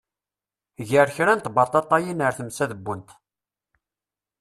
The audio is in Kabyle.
Ger kra n tbaṭaṭayin ar tmes ad d-wwent.